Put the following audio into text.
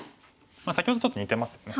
先ほどとちょっと似てますよね。